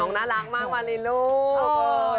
น้องน่ารักมากมารินลูก